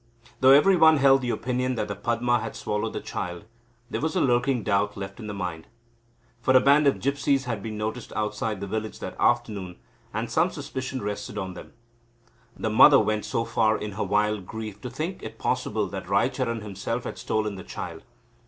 Though every one held the opinion that the Padma had swallowed the child, there was a lurking doubt left in the mind. For a band of gipsies had been noticed outside the village that afternoon, and some suspicion rested on them. The mother went so far in her wild grief as to think it possible that Raicharan himself had stolen the child.